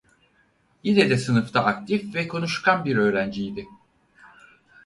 Yine de sınıfta aktif ve konuşkan bir öğrenciydi.